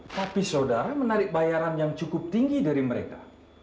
tapi saudara menarik bayaran yang cukup tinggi dari mereka